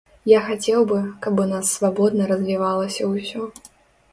Я хацеў бы, каб у нас свабодна развівалася ўсё.